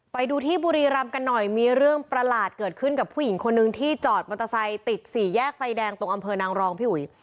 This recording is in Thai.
ไปดูที่บุรีรำกันหน่อยมีเรื่องประหลาดเกิดขึ้นกับผู้หญิงคนนึงที่จอดมอเตอร์ไซค์ติดสี่แยกไฟแดงตรงอำเภอนางรองพี่อุ๋ย